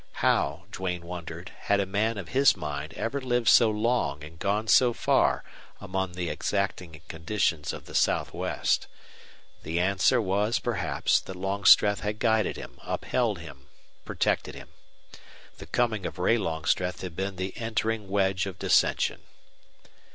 How, Duane wondered, had a man of his mind ever lived so long and gone so far among the exacting conditions of the Southwest? The answer was, perhaps, that Longstreth had guided him, upheld him, protected him. The coming of Ray Longstreth had been the entering wedge of dissension.